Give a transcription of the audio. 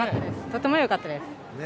とてもよかったです！